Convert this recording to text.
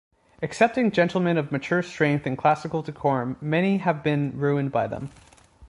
Excepting gentlemen of mature strength and classical decorum, many have been ruined by them.